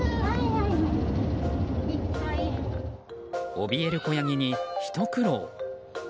おびえる子ヤギに、ひと苦労。